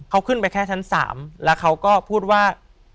เขาขึ้นไปแค่ชั้น๓แล้วเขาก็พูดว่า